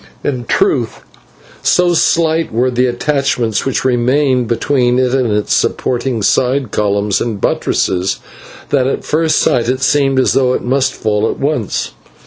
In truth so slight were the attachments which remained between it and its supporting side columns and buttresses, that at first sight it seemed as though it must fall at once.